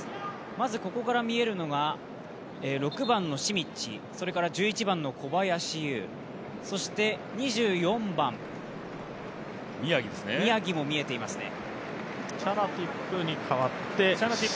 まずここから見えるのが、６番のシミッチ、１１番の小林悠、そして２４番、宮城も見えていますね。